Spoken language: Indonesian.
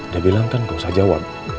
dia bilang kan gak usah jawab